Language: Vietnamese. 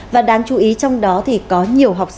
và đáng chú ý trong đó thì có nhiều hoạt động